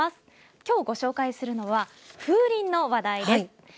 きょうご紹介するのは風鈴の話題です。